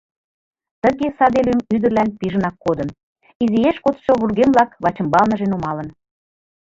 Тыге саде лӱм ӱдырлан пижынак кодын, изиэш кодшо вургемлак вачымбалныже нумалын.